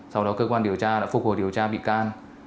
sau đó cơ quan điều tra đã phục hồi điều tra bị can